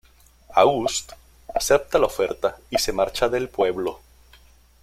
August acepta la oferta y se marcha del pueblo.